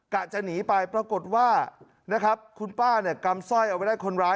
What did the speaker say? กะจะหนีไปปรากฏว่าคุณป้ากำสร้อยเอาไว้ได้คนร้าย